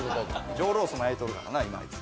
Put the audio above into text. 上ロースも焼いとるからな今あいつ。